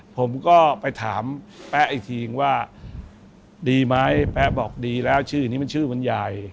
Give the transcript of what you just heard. ผมก็ไปถามแป๊ะอีกทีว่าดีไหมแป๊ะบอกดีแล้วชื่อนี้มันชื่อมันใหญ่